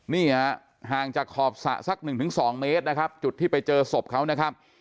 นี่ฮะห่างจากขอบสระสักหนึ่งถึงสองเมตรนะครับจุดที่ไปเจอศพเขานะครับ